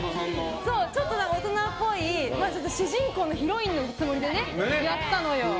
ちょっと大人っぽい主人公のヒロインのつもりでやったのよ。